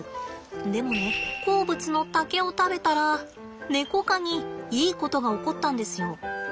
でもね好物の竹を食べたらネコ科にいいことが起こったんですよ。